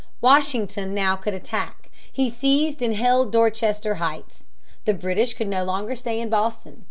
Washington now could attack. He seized and held Dorchester Heights. The British could no longer stay in Boston.